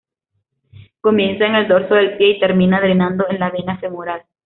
Comienza en el dorso del pie y termina drenando en la vena femoral.